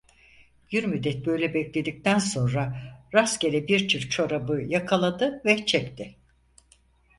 Bir müddet böyle bekledikten sonra rastgele bir çift çorabı yakaladı ve çekti.